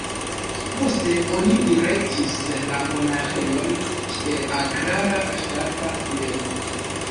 Poste oni direktis la monaĥejon kiel agrara ŝtata bieno.